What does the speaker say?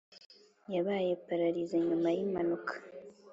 yabaye pararize nyuma yi impanuka